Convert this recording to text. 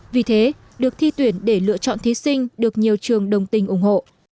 vì thế được thi tuyển để lựa chọn thí sinh được nhiều trường đồng tình ủng hộ